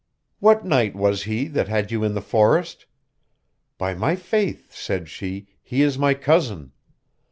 What knight was he that had you in the forest? By my faith, said she, he is my cousin.